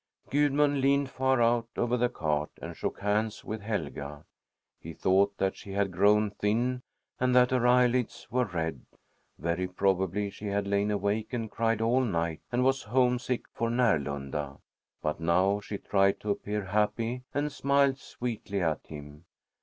Gudmund leaned far out over the cart and shook hands with Helga. He thought that she had grown thin and that her eyelids were red. Very probably she had lain awake and cried all night and was homesick for Närlunda. But now she tried to appear happy and smiled sweetly at him.